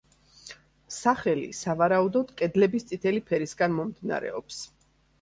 სახელი სავარაუდოდ კედლების წითელი ფერისგან მომდინარეობს.